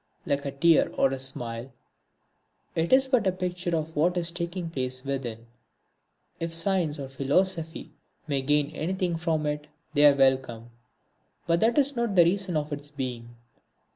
Like a tear or a smile it is but a picture of what is taking place within. If Science or Philosophy may gain anything from it they are welcome, but that is not the reason of its being.